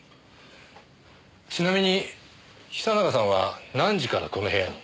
ちなみに久永さんは何時からこの部屋に？